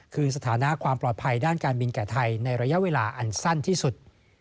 คือสถานะความปลอดภัยด้านการบินแก่ไทยในระยะเวลาอันสั้นที่สุด